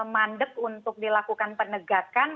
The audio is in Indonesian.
mandek untuk dilakukan penegakan